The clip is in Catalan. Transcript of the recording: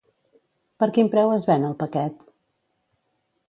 Per quin preu es ven el paquet?